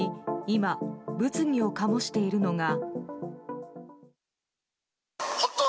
今、物議を醸しているのが。